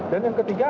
dan yang ketiga